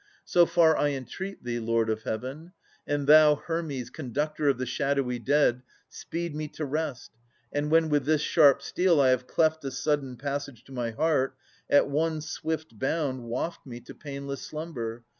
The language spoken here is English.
So far I entreat thee, Lord of Heaven. And thou, Hermes, conductor of the shadowy dead. Speed me to rest, and when with this sharp steel I have cleft a sudden passage to my heart, At one swift bound waft me to painless slumber